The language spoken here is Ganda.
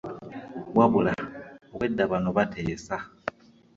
Wabula obwedda bano bateesa